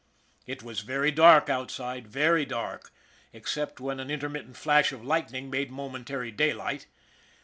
It was very dark outside, very dark, except when an intermittent flash of lightning made momentary daylight.